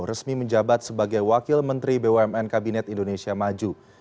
resmi menjabat sebagai wakil menteri bumn kabinet indonesia maju